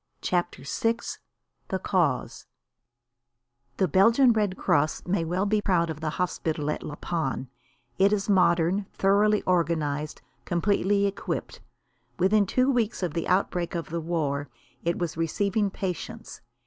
CHAPTER VI THE CAUSE The Belgian Red Cross may well be proud of the hospital at La Panne. It is modern, thoroughly organised, completely equipped. Within two weeks of the outbreak of the war it was receiving patients.